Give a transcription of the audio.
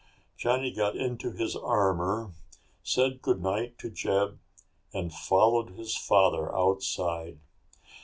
Johnny got into his armor, said goodnight to Jeb and followed his father outside.